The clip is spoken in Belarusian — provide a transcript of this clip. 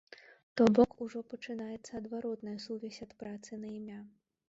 То бок, ужо пачынаецца адваротная сувязь ад працы на імя.